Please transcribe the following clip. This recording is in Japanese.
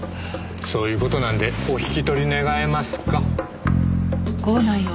そういう事なんでお引き取り願えますか？